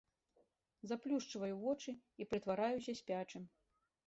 Заплюшчваю вочы і прытвараюся спячым.